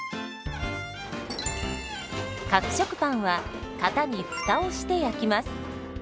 角食パンは型に「フタ」をして焼きます。